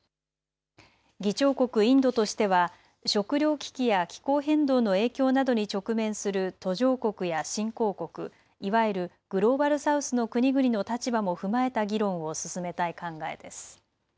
議長国インドとしては食料危機や気候変動の影響などに直面する途上国や新興国、いわゆるグローバル・サウスの国々の立場も踏まえた議論を進めたい考えです。